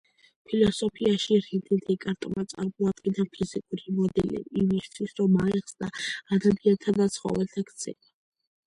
ფილოსოფიაში, რენე დეკარტმა წარმოადგინა ფიზიკური მოდელები იმისთვის, რომ აეხსნა ადამიანთა და ცხოველთა ქცევა.